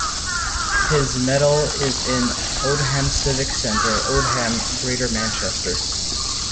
His medal is in Oldham Civic Centre, Oldham, Greater Manchester.